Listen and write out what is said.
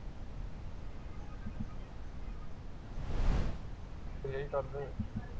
نہ بیرونی دباؤ۔